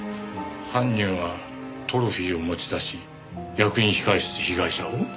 犯人はトロフィーを持ち出し役員控室で被害者を？